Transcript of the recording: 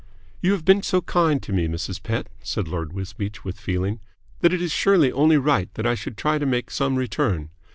"You have been so kind to me, Mrs. Pett," said Lord Wisbeach with feeling, "that it is surely only right that I should try to make some return.